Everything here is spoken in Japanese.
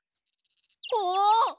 ああ！